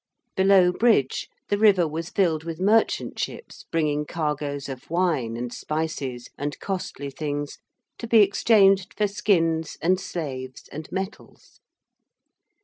Below Bridge the river was filled with merchant ships bringing cargoes of wine and spices and costly things to be exchanged for skins and slaves and metals.